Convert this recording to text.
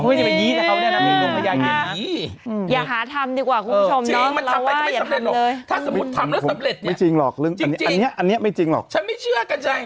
พระเอกดวงพระยายเย็นน่ะคุณแม่ก็โทรหาเขาเอาเลยพระเอกดวงพระยายเย็นน่ะ